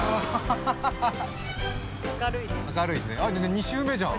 ２周目じゃん